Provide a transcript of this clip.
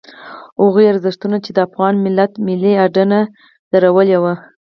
هغو ارزښتونو چې د افغان ملت ملي اډانه درولې وه.